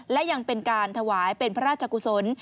และยังเป็นการถวายเป็นพระราชกุศล